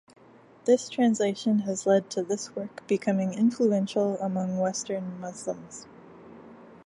This translation has led to this work becoming influential among Western Muslims.